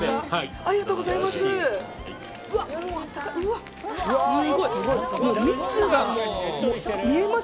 ありがとうございます！